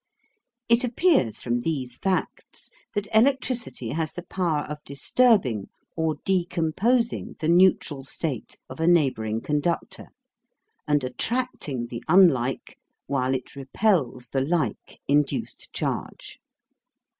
It appears from these facts that electricity has the power of disturbing or decomposing the neutral state of a neighbouring conductor, and attracting the unlike while it repels the like induced charge.